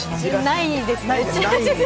ないです。